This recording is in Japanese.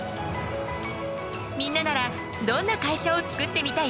みんなならどんな会社を作ってみたい？